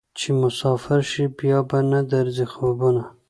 چې مسافر شې بیا به نه درځي خوبونه